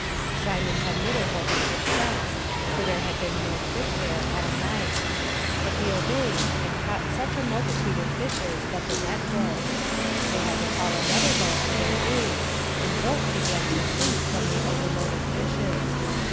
Simon had little hope of success, for there had been no fish there all night; but he obeyed, and caught such a multitude of fishes that the net broke. They had to call another boat to their aid, and both began to sink from the overload of fishes.